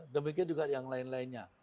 demikian juga yang lain lainnya